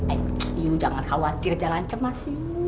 ayu jangan khawatir jalan cemasimu